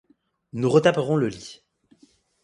Nous retaperons le lit.